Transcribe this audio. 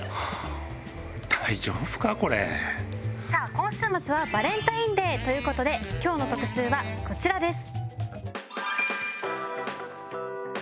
今週末はバレンタインデーということで今日の特集はこちらです。